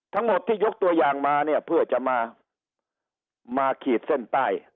ทั้งหมดที่ยกตัวอย่างมาเนี่ยเพื่อจะมาขีดเส้นใต้